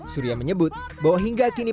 surya menyebut bahwa hingga kini